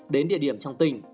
đến địa điểm trong tỉnh